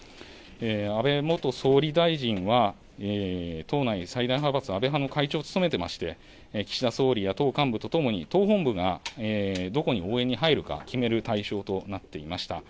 安倍元総理大臣は、党内最大派閥、安倍派の会長を務めていまして、岸田総理や党幹部とともに、党本部がどこに応援に入るか決める代表となっていました。